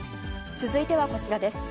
続いてはこちらです。